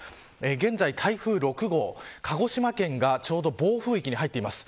現在台風６号、鹿児島県がちょうど暴風域に入っています。